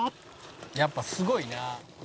「やっぱすごいな」